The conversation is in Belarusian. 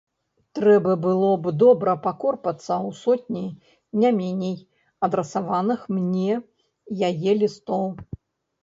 Трэба было б добра пакорпацца ў сотні, не меней, адрасаваных мне яе лістоў.